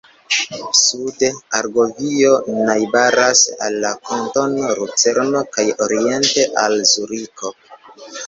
Sude Argovio najbaras al la kantono Lucerno kaj oriente al Zuriko.